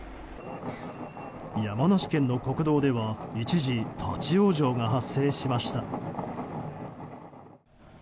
山梨県の国道では一時、立ち往生が発生しました。